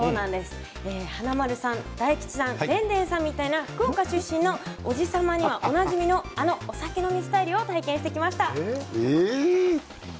華丸さん、大吉さんでんでんさんみたいな福岡出身のおじ様にはおなじみのあのお酒飲みスタイルを体験してきました。